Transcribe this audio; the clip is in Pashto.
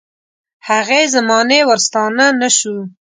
هغې زمانې ورستانه نه شو.